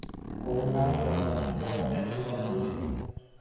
Quvurlarni tozalash uchun atay shunday qildik…